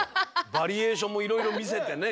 バリエーションもいろいろ見せてね。